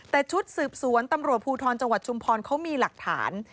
แต่ชุดสืบสวนตำรวจภูทรจังหวัดชุมพรเขามีหลักฐาน